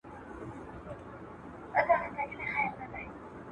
زه به اوږده موده درسونه اورېدلي وم!؟